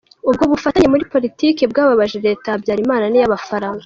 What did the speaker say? Ubwo bufatanye muri politiki bwababaje leta ya Habyarimana n’iy’Abafaransa.